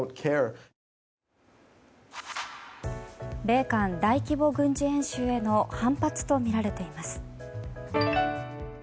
米韓大規模軍事演習への反発とみられています。